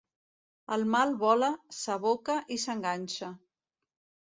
El mal vola, s'aboca i s'enganxa.